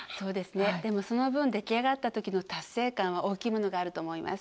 でもその分出来上がったときの達成感は大きいものがあると思います。